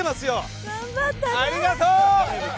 ありがとう！